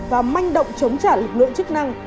và manh động chống trả lực lượng chức năng